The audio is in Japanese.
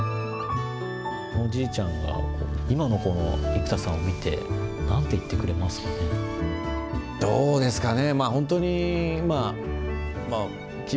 おじいちゃんが今の生田さんを見て、なんて言ってくれますかね。